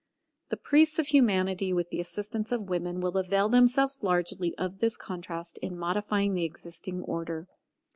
The priests of Humanity with the assistance of women will avail themselves largely of this contrast in modifying the existing order.